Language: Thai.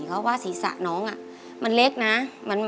เพราะว่าศีรษะน้องมันเล็กนะ